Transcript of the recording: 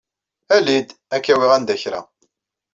Ali-d. Ad k-awiɣ anda kra.